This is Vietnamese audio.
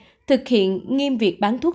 và thực hiện nghiêm việc bán thuốc